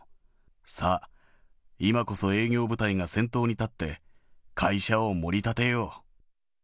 さあ、今こそ営業部隊が先頭に立って、会社をもり立てよう。